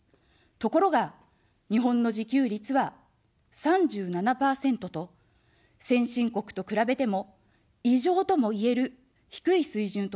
ところが、日本の自給率は３７％と、先進国と比べても、異常ともいえる低い水準となっています。